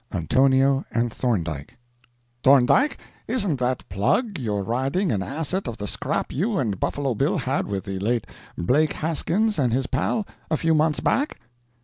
ANTONIO AND THORNDIKE "THORNDIKE, isn't that Plug you're riding an asset of the scrap you and Buffalo Bill had with the late Blake Haskins and his pal a few months back?"